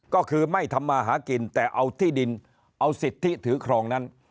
ก็คือไม่ทำมาหากินแต่เอาที่ดินเอาสิทธิถือครองนั้น